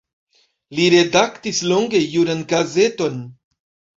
Li redaktis longe juran gazeton.